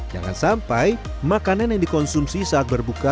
jangan sampai makanan yang dikonsumsi saat berbuka